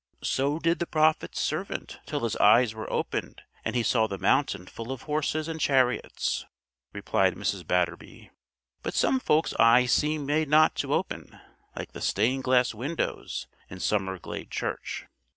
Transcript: "So did the Prophet's servant till his eyes were opened and he saw the mountain full of horses and chariots," replied Mrs. Batterby. "But some folk's eyes seem made not to open, like the stained glass windows in Summerglade Church."